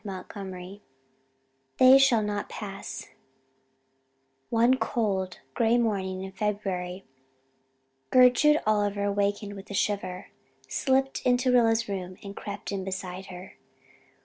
CHAPTER XIX "THEY SHALL NOT PASS" One cold grey morning in February Gertrude Oliver wakened with a shiver, slipped into Rilla's room, and crept in beside her.